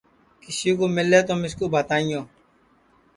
کسی کُو مِلے تومِسکُو بھتائیو